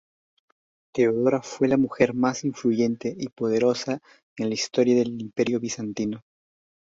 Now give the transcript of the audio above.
Teodora fue la mujer más influyente y poderosa en la historia del Imperio bizantino.